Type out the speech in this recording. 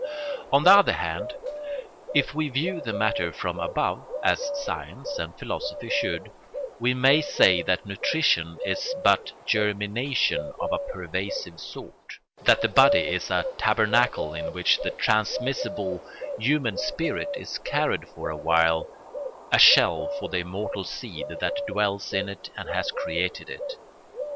On the other hand, if we view the matter from above, as science and philosophy should, we may say that nutrition is but germination of a pervasive sort, that the body is a tabernacle in which the transmissible human spirit is carried for a while, a shell for the immortal seed that dwells in it and has created it.